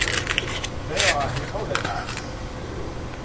They are Hitogatas.